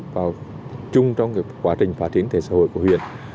cùng chung trong quá trình phá triển thể xã hội của huyện